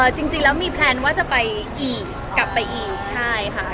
ห์ห์เอ่อจริงจริงแล้วมีแผนว่าจะไปอีกกลับไปอีกใช่ค่ะ